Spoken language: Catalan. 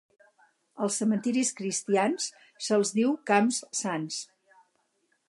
Als cementiris cristians se'ls diu camps sants.